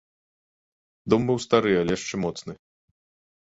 Дом быў стары, але яшчэ моцны.